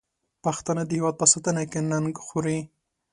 پښتانه د هېواد په ساتنه کې ننګ خوري.